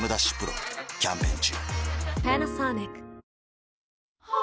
丕劭蓮キャンペーン中